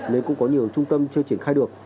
nên cũng có nhiều trung tâm chưa triển khai được